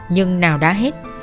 nhưng nào đã hết